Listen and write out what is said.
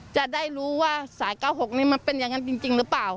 จะได้รู้ว่าสาย๙๖นี้มันเป็นอย่างนั้นจริงหรือเปล่า